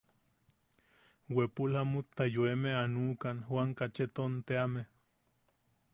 Wepul jamutta yoeme a nuʼukan Juan Kacheton teame.